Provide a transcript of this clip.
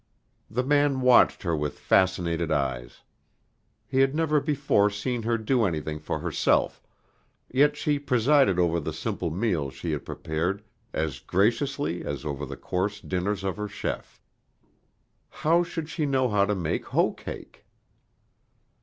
The man watched her with fascinated eyes. He had never before seen her do anything for herself, yet she presided over the simple meal she had prepared as graciously as over the course dinners of her chef. How should she know how to make hoe cake?